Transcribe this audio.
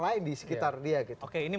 lain di sekitar dia gitu oke ini